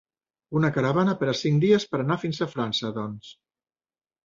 Una caravana per a cinc dies per anar fins a França, doncs.